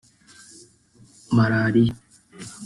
Malariya